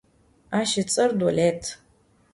Aş ıts'er Dolet.